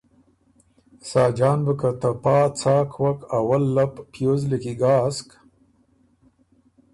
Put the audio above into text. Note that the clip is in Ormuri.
ساجان بُو که ته پا څاک وک اول لپ پیوز لیکی ګاسک